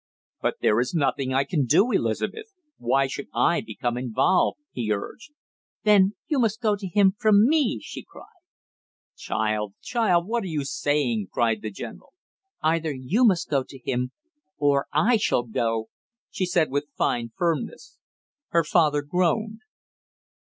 "But there is nothing I can do, Elizabeth; why should I become involved?" he urged. "Then you must go to him from me!" she cried. "Child child; what are you saying!" cried the general. "Either you must go to him, or I shall go!" she said with fine firmness. Her father groaned.